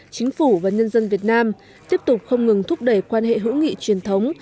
chính phủ và nhân dân việt nam tiếp tục không ngừng thúc đẩy quan hệ hữu nghị truyền thống